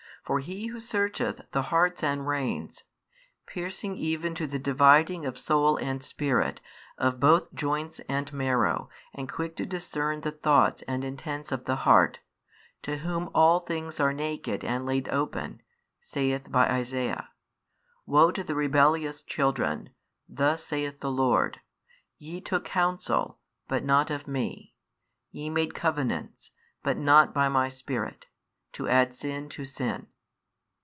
For He Who searcheth the hearts and reins, piercing even to the dividing of soul and spirit, of both joints and marrow, and quick to discern the thoughts and intents of the heart, to Whom all things are naked and laid open, saith by Isaiah: Woe to the rebellious children: thus saith the Lord, Ye took counsel, but not of Me; ye made covenants, but not by My Spirit; to add sin to sin.